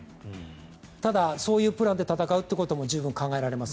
ただ、そういうプランで戦うことも十分考えられます。